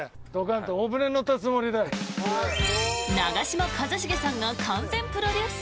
長嶋一茂さんが完全プロデュース。